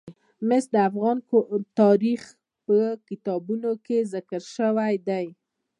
مس د افغان تاریخ په کتابونو کې ذکر شوی دي.